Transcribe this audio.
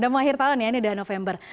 udah mau akhir tahun ya ini udah november